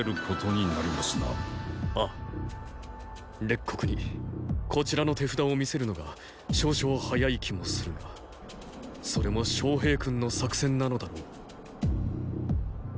列国にこちらの手札を見せるのが少々早い気もするがそれも昌平君の作戦なのだろう。